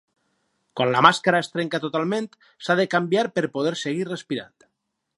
Quan la màscara es trenca totalment, s'ha de canviar per poder seguir respirant.